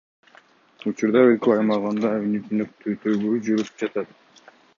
Учурда өлкө аймагында үгүт өнөктүгү жүрүп жатат.